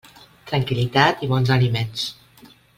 Tranquil·litat i bons aliments.